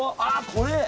これ？